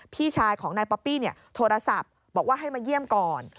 พี่ชายของนายป๊อปปี้โทรศัพท์บอกว่าให้มาเยี่ยมก่อน